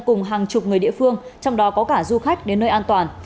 cùng hàng chục người địa phương trong đó có cả du khách đến nơi an toàn